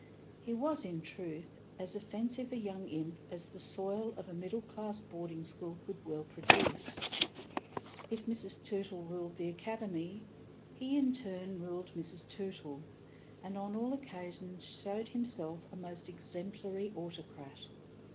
He was, in truth, as offensive a young imp as the soil of a middle class boarding school could well produce. If Mrs. Tootle ruled the Academy, he in turn ruled Mrs. Tootle, and on all occasions showed himself a most exemplary autocrat.